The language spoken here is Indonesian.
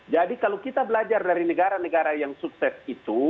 jadi kalau kita belajar dari negara negara yang sukses itu